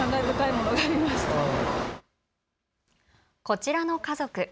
こちらの家族。